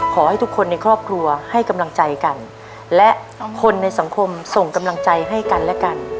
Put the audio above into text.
ขอให้ทุกคนในครอบครัวให้กำลังใจกันและคนในสังคมส่งกำลังใจให้กันและกัน